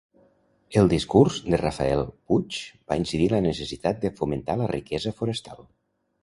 El discurs de Rafael Puig va incidir en la necessitat de fomentar la riquesa forestal.